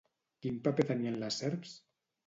Quin paper tenien les serps?